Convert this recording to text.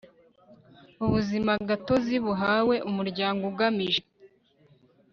Ubuzimagatozi buhawe Umuryango Ugamije